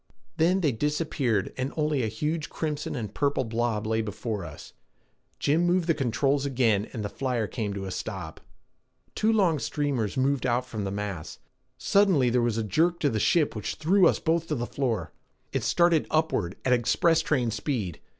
Then they disappeared and only a huge crimson and purple blob lay before us. Jim moved the controls again and the flyer came to a stop. Two long streamers moved out from the mass. Suddenly there was a jerk to the ship which threw us both to the floor. It started upward at express train speed.